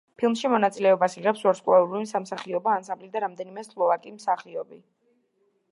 ფილმში მონაწილეობას იღებს ვარსკვლავური სამსახიობო ანსამბლი და რამდენიმე სლოვაკი მსახიობი.